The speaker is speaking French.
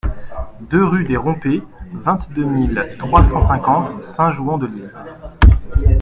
deux rue des Rompées, vingt-deux mille trois cent cinquante Saint-Jouan-de-l'Isle